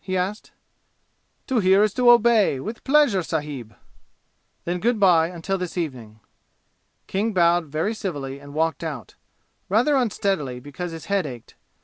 he asked. "To hear is to obey! With pleasure, sahib!" "Then good by until this evening." King bowed very civilly and walked out, rather unsteadily because his head ached.